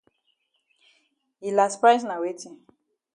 Yi las price na weti?